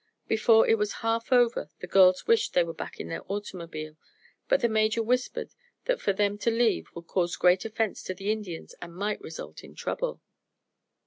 Before it was half over the girls wished they were back in their automobile; but the Major whispered that for them to leave would cause great offense to the Indians and might result in trouble.